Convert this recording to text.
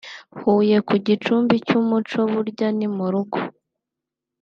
Huye ku gicumbi cy’umuco burya ni mu rugo